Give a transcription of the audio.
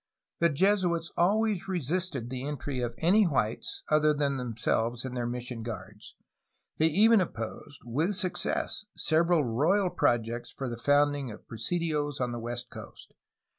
The Jesuits always resisted the entry of any whites other than themselves and their mission guards; they even opposed, with success, several royal projects for the founding of presidios on the west coast.